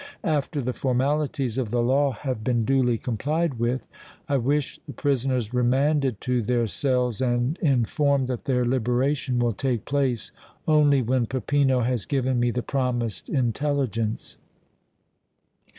After the formalities of the law have been duly complied with, I wish the prisoners remanded to their cells and informed that their liberation will take place only when Peppino has given me the promised intelligence."